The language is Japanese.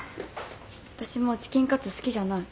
私もうチキンカツ好きじゃない。